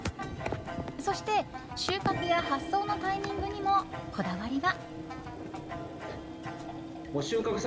そして、収穫や発送のタイミングにもこだわりが。